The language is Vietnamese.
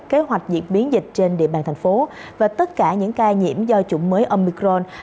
kế hoạch diễn biến dịch trên địa bàn thành phố và tất cả những ca nhiễm do chủng mới âm mưu